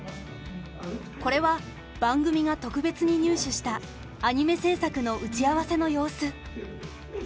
これは番組が特別に入手したアニメ制作の打ち合わせの様子。